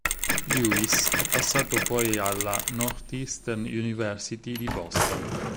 Lewis è passato poi alla Northeastern University di Boston.